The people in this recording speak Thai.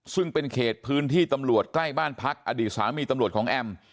ซึ่งเป็นเขตพื้นที่ตำรวจใกล้บ้านพักอดีตสามีตำรวจของแอม